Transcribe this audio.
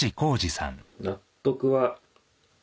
納得は。